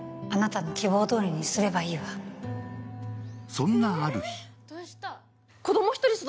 そんなある日。